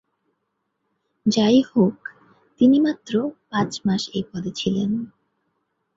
যাইহোক, তিনি মাত্র পাঁচ মাস এই পদে ছিলেন।